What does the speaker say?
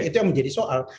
itu yang menjadi soal